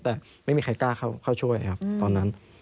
แต่ไม่มีใครกล้าเข้าช่วยครับตอนนั้น